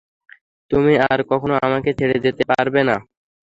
তুমি আর কখনও আমাকে ছেড়ে যেতে পারবে না!